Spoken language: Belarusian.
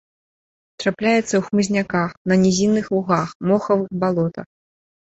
Трапляецца ў хмызняках, на нізінных лугах, мохавых балотах.